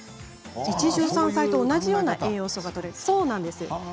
一汁三菜と同じような栄養素があるんです。